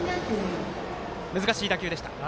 難しい打球でした。